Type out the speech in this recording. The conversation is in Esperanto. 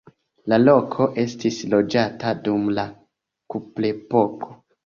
La loko estis loĝata dum la kuprepoko.